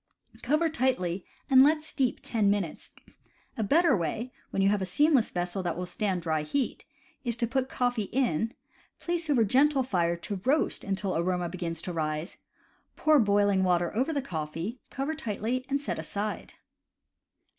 Cover tightly and let steep ten minutes. A better way, when you have a seamless vessel that will stand dry heat, is to put coffee in, place over gentle fire to roast until aroma begins to rise, pour boiling water over the coffee, cover tightly, and set aside.